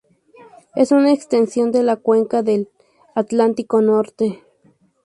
Es una extensión de la cuenca del Atlántico Norte.